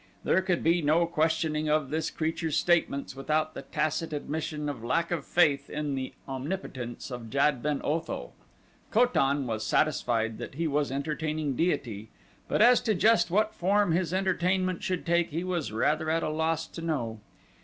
There could be no questioning of this creature's statements without the tacit admission of lack of faith in the omnipotence of Jad ben Otho. Ko tan was satisfied that he was entertaining deity, but as to just what form his entertainment should take he was rather at a loss to know.